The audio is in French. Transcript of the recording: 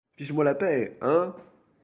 Fiche-moi la paix, hein!